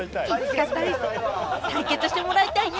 １回対決してもらいたいね。